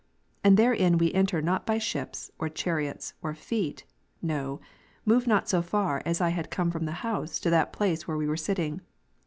And therein we enter not by ships, or chariots, or feet, no, move not so far as I had come from the house to that place where we were sitting.